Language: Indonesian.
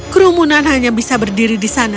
kru munan hanya bisa berdiri di sana